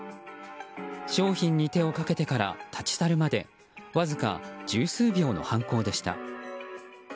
商品に手をかけてから立ち去るまでわずか十数秒の犯行でした。